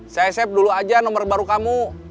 saya safe dulu aja nomor baru kamu